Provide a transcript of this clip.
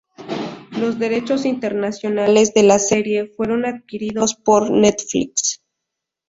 Los derechos internacionales de la serie fueron adquiridos por Netflix.